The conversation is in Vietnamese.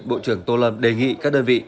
bộ trưởng tô lâm đề nghị các đơn vị